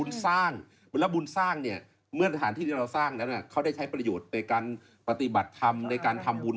อย่างที่อาจารย์บอกถ้าวัดไหนก็สร้างอะไร